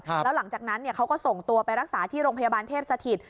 แล้วหลังจากนั้นเขาก็ส่งตัวไปรักษาที่โรงพยาบาลเทพสถิต